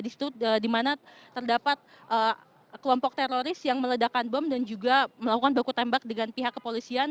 di mana terdapat kelompok teroris yang meledakan bom dan juga melakukan baku tembak dengan pihak kepolisian